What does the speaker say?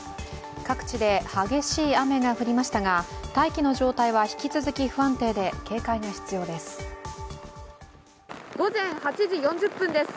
各地で激しい雨が降りましたが、大気の状態は引き続き不安定で警戒が必要です。